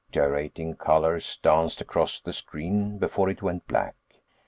Gyrating colors danced across the screen before it went black.